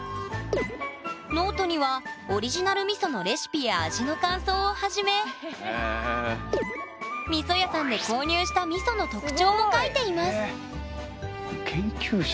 ノートにはオリジナルみそのレシピや味の感想をはじめみそ屋さんで購入したみその特徴も書いています研究者だな。